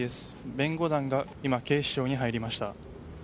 弁護団が今、警視庁に入りました。